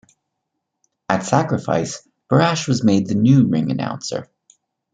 At Sacrifice, Borash was made the new ring announcer.